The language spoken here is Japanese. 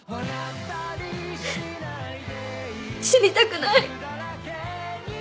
死にたくない。